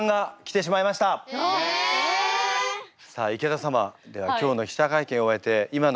さあ池田様では今日の記者会見を終えて今のお気持ちは？